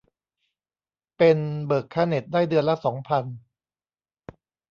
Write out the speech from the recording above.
เป็น เบิกค่าเน็ตได้เดือนละสองพัน